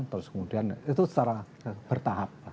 terus kemudian itu secara bertahap